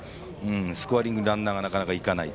スコアリングランナーがなかなか行かない。